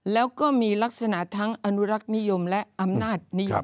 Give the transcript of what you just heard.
แล้วก็มีลักษณะทั้งอนุรักษ์นิยมและอำนาจนิยม